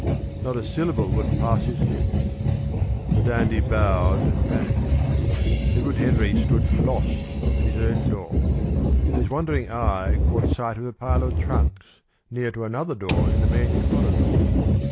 Not a syllable would pass his lips. The dandy bowed and vanished. Edward Henry stood lost at his own door, and his wandering eye caught sight of a pile of trunks near to another door in the main corridor.